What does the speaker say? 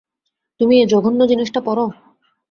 তুমি এই জঘন্য জিনিসটা পরো!